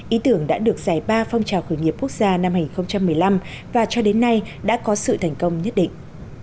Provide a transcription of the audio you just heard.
ý tưởng đã được giải ba phong trào khởi nghiệp quốc gia năm hai nghìn một mươi năm và cho đến nay đã có sự thành công nhất định